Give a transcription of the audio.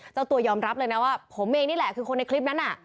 เจ้าตัวยอมรับเลยนะว่าผมเองนี่แหละคือคนในคลิปนั้นน่ะ